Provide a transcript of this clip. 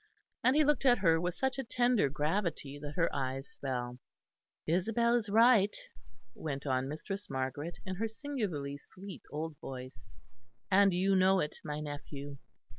And he looked at her with such a tender gravity that her eyes fell. "Isabel is right," went on Mistress Margaret, in her singularly sweet old voice; "and you know it, my nephew.